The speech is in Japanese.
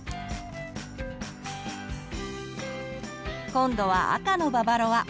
今度は赤のババロア。